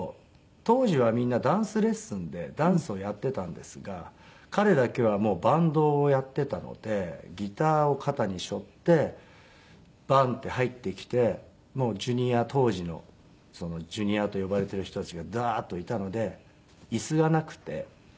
当時はみんなダンスレッスンでダンスをやってたんですが彼だけはもうバンドをやってたのでギターを肩に背負ってバンって入ってきてもうＪｒ．当時のＪｒ．と呼ばれている人たちがダーッといたので椅子がなくて。